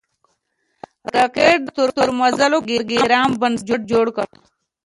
راکټ د ستورمزلو پروګرام بنسټ جوړ کړ